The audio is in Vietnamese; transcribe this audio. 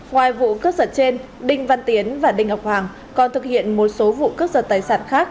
ngoài vụ cướp sở trên đinh văn tiến và đinh ngọc hoàng còn thực hiện một số vụ cướp giật tài sản khác